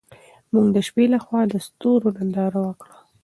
موږ د شپې لخوا د ستورو ننداره وکړه.